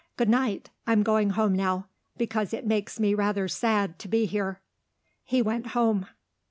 Good night. I'm going home now, because it makes me rather sad to be here." He went home.